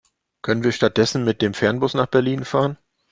Können wir stattdessen mit dem Fernbus nach Berlin fahren?